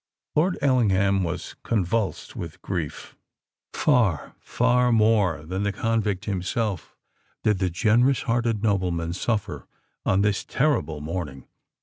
Lord Ellingham was convulsed with grief. Far—far more than the convict himself did the generous hearted nobleman suffer on this terrible morning.